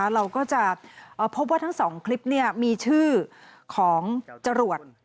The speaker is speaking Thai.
เราก็จะพบว่าทั้ง๒คลิปมีชื่อของจรวด